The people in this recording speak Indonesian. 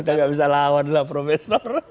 kita gak bisa lawan lah profesor